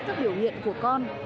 các biểu hiện của con